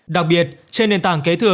đặc biệt trên nền tảng kế thừa